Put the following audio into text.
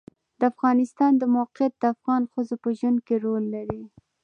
د افغانستان د موقعیت د افغان ښځو په ژوند کې رول لري.